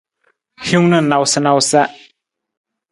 Hiwung na nawusanawusa.